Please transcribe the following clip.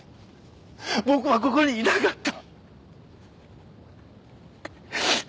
僕はここにいなかった！